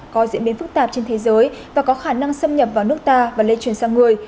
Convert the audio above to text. có diễn biến phức tạp trên thế giới và có khả năng xâm nhập vào nước ta và lây truyền sang người